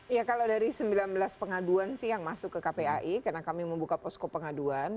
ya kalau dari sembilan belas pengaduan sih yang masuk ke kpai karena kami membuka posko pengaduan